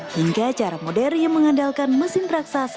hingga cara modern yang mengandalkan mesin raksasa